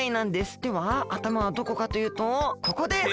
ではあたまはどこかというとここです。